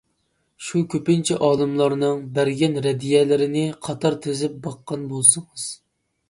شۇ كۆپىنچە ئالىملارنىڭ بەرگەن رەددىيەلىرىنى قاتار تىزىپ باققان بولسىڭىز.